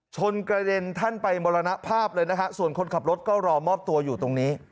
กระเด็นท่านไปมรณภาพเลยนะฮะส่วนคนขับรถก็รอมอบตัวอยู่ตรงนี้